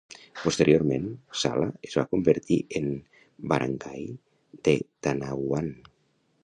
Posteriorment, Sala es va convertir en barangay de Tanauan.